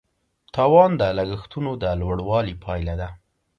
تاوان د لګښتونو د لوړوالي پایله ده.